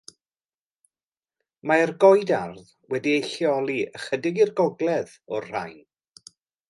Mae'r goedardd wedi ei lleoli ychydig i'r gogledd o'r rhain.